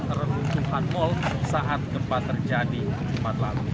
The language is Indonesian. ketuhan mal saat gempa terjadi gempa lalu